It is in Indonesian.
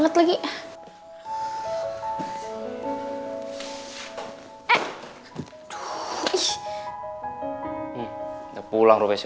gue akan kasih semua buktinya ke lo